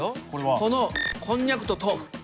このこんにゃくととうふ。